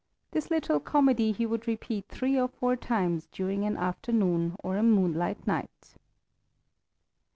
This little comedy he would repeat three or four times during an afternoon or a moonlight night.